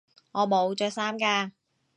我冇着衫㗎